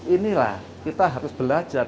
inilah kita harus belajar